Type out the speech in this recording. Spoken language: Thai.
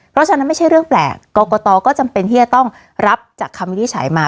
เพราะฉะนั้นไม่ใช่เรื่องแปลกกรกตก็จำเป็นที่จะต้องรับจากคำวินิจฉัยมา